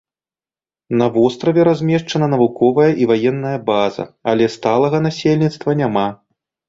На востраве размешчана навуковая і ваенная база, але сталага насельніцтва няма.